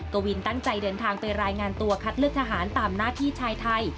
กวินตั้งใจเดินทางไปรายงานตัวคัดเลือกทหารตามหน้าที่ชายไทย